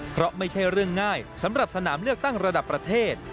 เพราะไม่ใช่เรื่องง่ายสำหรับสนามเลือกตั้งระดับประเทศ